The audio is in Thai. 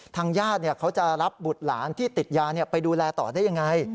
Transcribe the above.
ทางญาติเขาจะรับบุตรหลานที่ติดยาไปดูแลต่อได้ยังไง